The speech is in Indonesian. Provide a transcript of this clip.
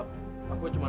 kalau yang gak ingin sama